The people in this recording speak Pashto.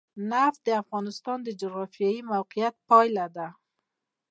نفت د افغانستان د جغرافیایي موقیعت پایله ده.